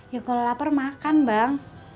ya kalau lapar makan bang